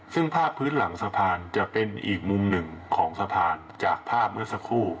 ซึ่งภาพพื้นหลังสะพานจะเป็นอีกมุมหนึ่งของสะพานจากภาพเมื่อสักครู่